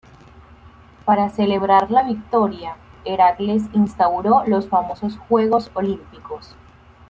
Para celebrar la victoria, Heracles instauró los famosos juegos olímpicos.